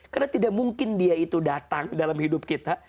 karena tidak mungkin dia itu datang dalam hidup kita